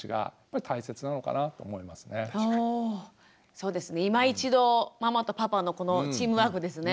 そうですね今一度ママとパパのこのチームワークですね。